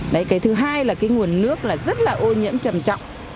đấy cái thứ hai là cái nguồn nước là rất là ô nhiễm trầm trọng